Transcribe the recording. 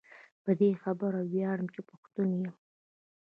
په دي خبره وياړم چي پښتون يم